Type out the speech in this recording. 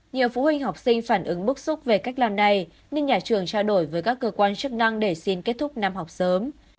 nhiều phụ huynh học sinh phản ứng bức xúc về cách làm này nên nhà trường trao đổi với các cơ quan chức năng để xin kết thúc năm học sớm